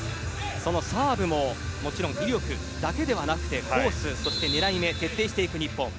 そのサーブももちろん威力だけではなくコース、狙い目徹底していく日本。